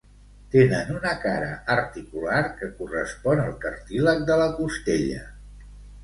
Tenen una cara articular que correspon al cartílag de la costella.